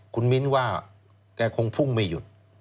คุณมิ้นว่าแกคงพุ่งไม่หยุด